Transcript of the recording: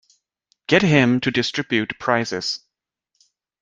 Get him to distribute prizes.